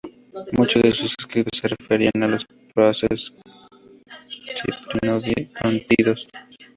Muchos de sus escritos se referían a los peces ciprinodóntidos.